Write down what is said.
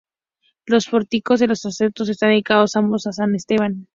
Los pórticos de los transeptos están dedicados ambos a San Esteban.